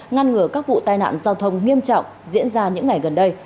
ngăn ngừa các vụ tai nạn giao thông nghiêm trọng diễn ra những ngày gần đây